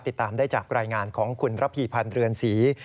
ติดตามได้จากรายงานของคุณระพีพันธ์เรือนศรี